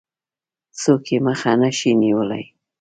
څوک يې مخه نه شي نيولای.